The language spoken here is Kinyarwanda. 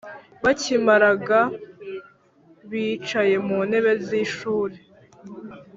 Bakimaraga bicaye mu ntebe z ishuri